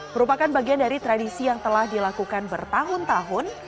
merupakan bagian dari tradisi yang telah dilakukan bertahun tahun